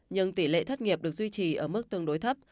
nhưng tỷ lệ thất nghiệp được duy trì ở mức tương đối thấp